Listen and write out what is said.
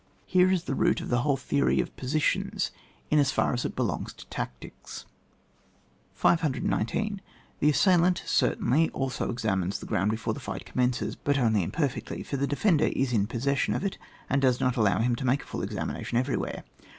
Here is the root of the whole theory of positions, in as far as it belongs to tactics. 519. The assailant, certainly, also ex amines the ground before the fight com mences, but only imperfectly, for thje defender is in possession of it, and does not allow him to make a full examination everywhere.